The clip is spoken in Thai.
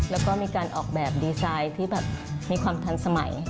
แล้วก็มีการออกแบบดีไซน์ที่แบบมีความทันสมัย